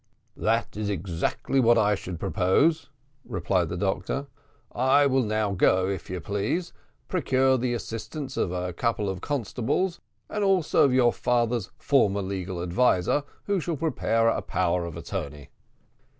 "That is exactly what I should propose," replied the doctor. "I will now go, if you please, procure the assistance of a couple of constables, and also of your father's former, legal adviser, who shall prepare a power of attorney."